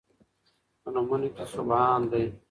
په نومونو کې سبحان دی